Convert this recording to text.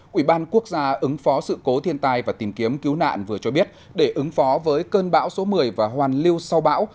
quỹ ban quốc gia ứng phó sự cố thiên tai và tìm kiếm cứu nạn vừa cho biết để ứng phó với cơn bão số một mươi và hoàn lưu sau bão